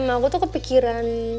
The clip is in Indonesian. aku tuh kepikiran